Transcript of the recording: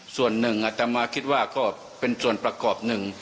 ส่วนหนึ่งอัตมาคิดว่าก็เป็นส่วนประกอบหนึ่ง